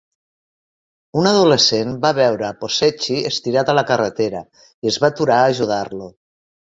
Un adolescent va veure a Pocceschi estirat a la carretera i es va aturar a ajudar-lo.